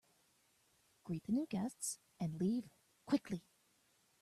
Greet the new guests and leave quickly.